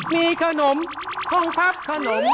มีขนมท่องทับขนม